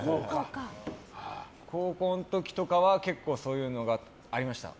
高校の時とかは結構そういうのがありました。